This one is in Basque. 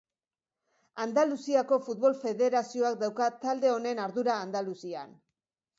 Andaluziako Futbol Federazioak dauka talde honen ardura Andaluzian.